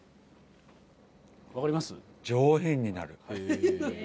分かります？